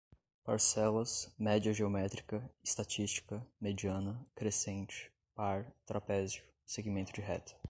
parcelas, média geométrica, estatística, mediana, crescente, par, trapézio, segmento de reta